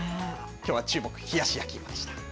きょうはチューモク、冷やし焼き芋でした。